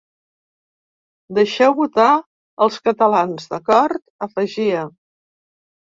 Deixeu votar els catalans, d’acord?, afegia.